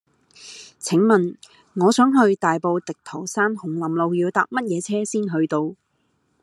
請問我想去大埔滌濤山紅林路要搭乜嘢車先去到